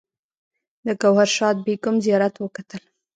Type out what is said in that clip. د ګوهر شاد بیګم زیارت وکتل.